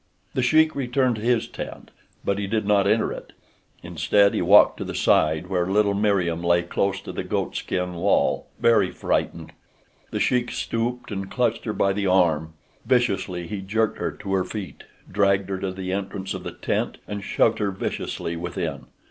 The Sheik returned to his tent; but he did not enter it. Instead he walked to the side where little Meriem lay close to the goat skin wall, very frightened. The Sheik stooped and clutched her by the arm. Viciously he jerked her to her feet, dragged her to the entrance of the tent, and shoved her viciously within.